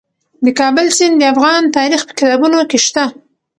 د کابل سیند د افغان تاریخ په کتابونو کې شته.